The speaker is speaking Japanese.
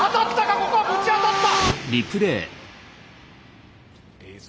ここはぶち当たった！